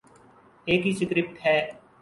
ایک ہی سکرپٹ ہے۔